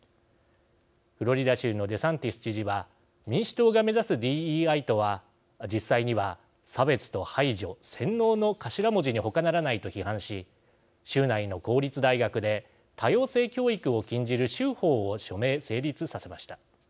フロリダ州のデサンティス知事は民主党が目指すＤＥＩとは実際には差別と排除洗脳（Ｉｎｄｏｃｔｒｉｎａｔｉｏｎ）の頭文字に、ほかならないと批判し州内の公立大学で多様性教育を禁じる州法を署名・成立させました。